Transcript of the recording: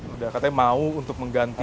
udah katanya mau untuk mengganti